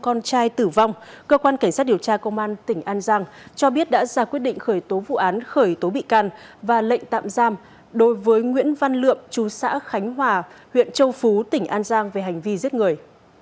con trai tử vong cơ quan cảnh sát điều tra công an tỉnh an giang cho biết đã ra quyết định khởi tố vụ án khởi tố bị can và lệnh tạm giam đối với nguyễn văn lượm chú xã khánh hòa huyện châu phú tỉnh an giang về hành vi giết người